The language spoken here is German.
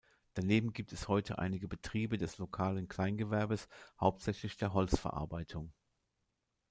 Daneben gibt es heute einige Betriebe des lokalen Kleingewerbes, hauptsächlich der Holzverarbeitung.